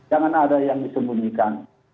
jangan ada yang disembunyikan